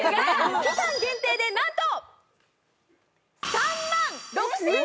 期間限定でなんと！